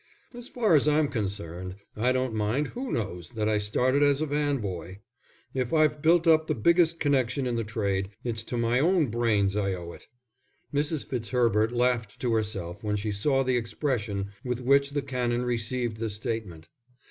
As far as I'm concerned, I don't mind who knows that I started as a van boy. If I've built up the biggest connection in the trade, it's to my own brains I owe it." Mrs. Fitzherbert laughed to herself when she saw the expression with which the Canon received this statement.